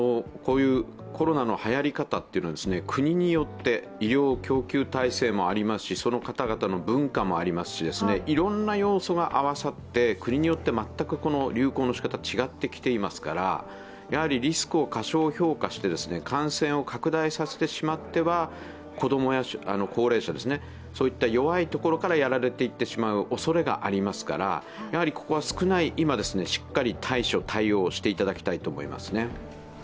コロナのはやり方というのは国によって、医療供給体制もありますし、その方々の文化もありますし、いろいろな要素が合わさって、国によって流行の仕方が違ってきていますから、やはりリスクを過小評価して感染を拡大させてしまっては、子供や高齢者、そういった弱いところからやられていってしまうおそれがありますから、ここは少ない今、しっかり対処・対応していただきたいと思います。